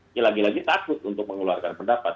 ini lagi lagi takut untuk mengeluarkan pendapat